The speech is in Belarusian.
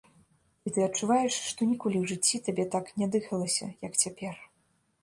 І ты адчуваеш, што ніколі ў жыцці табе так ня дыхалася, як цяпер.